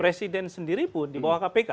presiden sendiri pun dibawa kpk